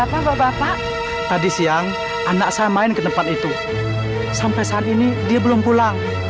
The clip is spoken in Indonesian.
bapak bapak tadi siang anak saya main ke tempat itu sampai saat ini dia belum pulang